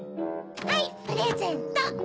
はいプレゼント。